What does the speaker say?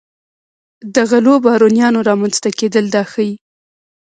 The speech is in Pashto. د غلو بارونیانو رامنځته کېدل دا ښيي.